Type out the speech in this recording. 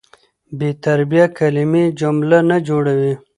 بې ترتیبه کلیمې جمله نه جوړوي.